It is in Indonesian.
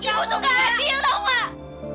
ibu untuk keadil tau gak